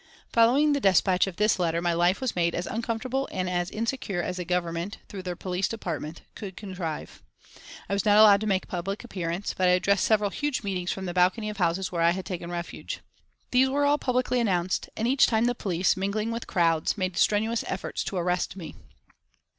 Following the despatch of this letter my life was made as uncomfortable and as insecure as the Government, through their police department, could contrive. I was not allowed to make a public appearance, but I addressed several huge meetings from the balcony of houses where I had taken refuge. These were all publicly announced, and each time the police, mingling with crowds, made strenuous efforts to arrest me.